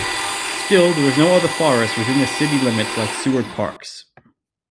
Still, there is no other forest within the city limits like Seward Park's.